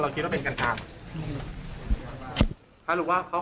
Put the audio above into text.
เขาตั้งใจจะนั่งไปที่ไหนครับ